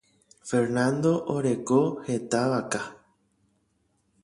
Fernando oreko heta vaka.